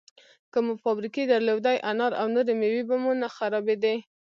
که مو فابریکې درلودی، انار او نورې مېوې به مو نه خرابېدې!